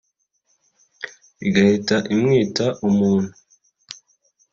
igahita imwita ’umuntu’